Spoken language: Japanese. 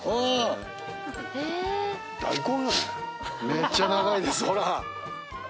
めっちゃ長いですほら。